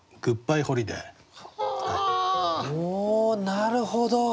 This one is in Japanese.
なるほど。